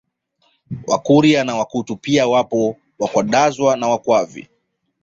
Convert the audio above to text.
Wakuria na Wakutu pia wapo Wakwadza na Wakwavi